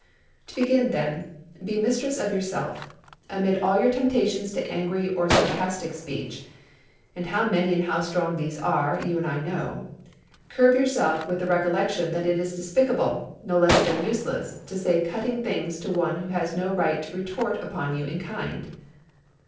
To begin, then: Be mistress of yourself. Amid all your temptations to angry or sarcastic speech (and how many and how strong these are, you and I know), curb yourself with the recollection that it is despicable, no less than useless, to say cutting things to one who has no right to retort upon you in kind.